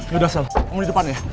yaudah sel kamu di depan ya